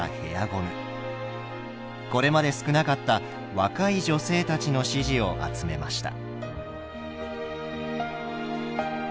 これまで少なかった若い女性たちの支持を集めました。